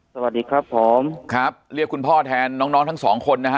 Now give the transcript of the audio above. สวัสดีครับผมครับเรียกคุณพ่อแทนน้องน้องทั้งสองคนนะฮะ